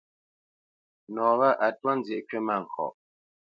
Nɔ wâ a twá nzyə̌ʼ kywítmâŋkɔʼ.